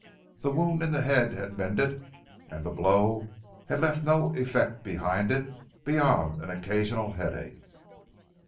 The wound in the head had mended and the blow had left no effect behind it beyond an occasional head ache.